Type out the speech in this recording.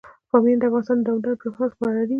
بامیان د افغانستان د دوامداره پرمختګ لپاره اړین دي.